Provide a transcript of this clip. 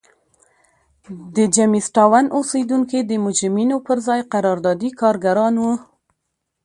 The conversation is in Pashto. د جېمز ټاون اوسېدونکي د مجرمینو پر ځای قراردادي کارګران وو.